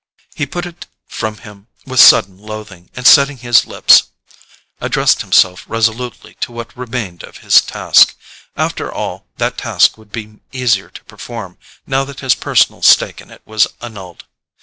He put it from him with sudden loathing, and setting his lips, addressed himself resolutely to what remained of his task. After all, that task would be easier to perform, now that his personal stake in it was annulled.